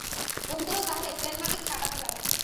বোমগুলোও তাহলে প্ল্যানমাফিক ফাটানো যাবে।